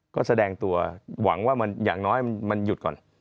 ก็แสดงตัวหวังว่าอย่างน้อยมันหยุดก่อน